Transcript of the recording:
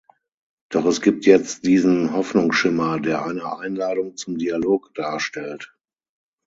Doch es gibt jetzt diesen Hoffnungsschimmer, der eine Einladung zum Dialog darstellt.